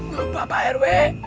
gak apa apa pak rw